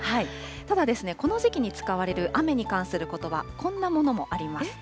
ただですね、この時期に使われる雨に関することば、こんなものもあります。